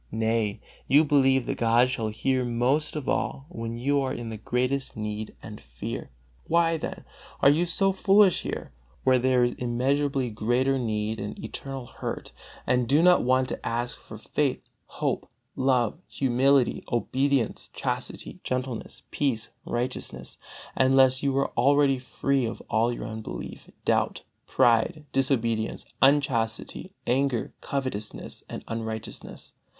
Nay, you believe that God shall hear most of all when you are in the greatest need and fear. Why, then, are you so foolish here, where there is immeasurably greater need and eternal hurt, and do not want to ask for faith, hope, love, humility, obedience, chastity, gentleness, peace, righteousness, unless you are already free of all your unbelief, doubt, pride, disobedience, unchastity, anger, covetousness and unrighteousness.